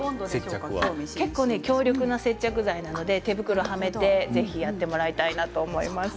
強力な接着剤で手袋をはめてやってもらいたいと思います。